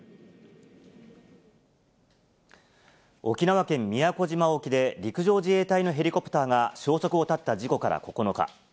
沖縄県宮古島沖で、陸上自衛隊のヘリコプターが消息を絶った事故から９日。